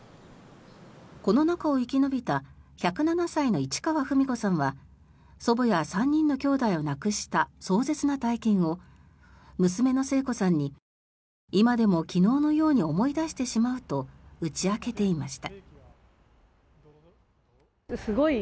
この中を生き延びた１０７歳の市川ふみ子さんは祖母や３人のきょうだいを亡くした壮絶な体験を娘の征子さんに、今でも昨日のように思い出してしまうと打ち明けていました。